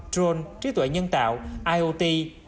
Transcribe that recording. drone trí tuệ nhân tạo iot